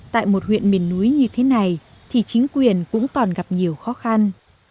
tại một huyện miền núi như thế này thì chính quyền cũng còn gặp nhiều khó khăn